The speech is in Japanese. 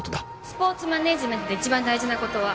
スポーツマネージメントで一番大事なことは